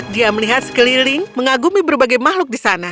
dia melihat sekeliling mengagumi berbagai makhluk di sana